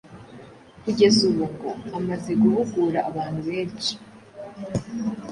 Kugeza ubu ngo amaze guhugura abantu benshi